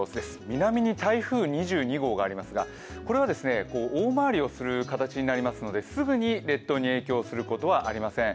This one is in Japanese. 南に台風２２号がありますがこれは大回りをする形になりますのですぐに列島に影響する心配はありません。